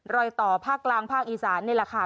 รอยต่อภาคกลางภาคอีสานนี่แหละค่ะ